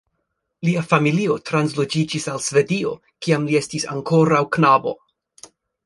Lia familio transloĝiĝis al Svedio, kiam li estis ankoraŭ knabo.